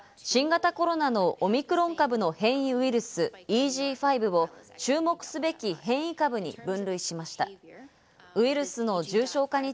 ＷＨＯは９日、新型コロナのオミクロン株の変異ウイルス・ＥＧ．５を注目すべき変異株に分類しました。